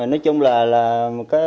nói chung là một con heo